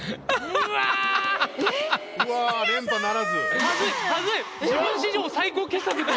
うわ連覇ならず。